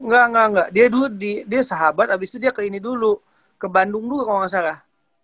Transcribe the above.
gak gak gak dia dulu dia sahabat abis itu dia ke ini dulu ke bandung dulu kalo gak salah